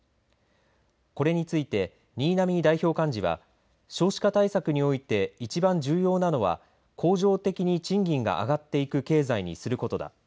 これについて新浪代表幹事は少子化対策において一番重要なのは恒常的に賃金が上がっていく経済にすることだ。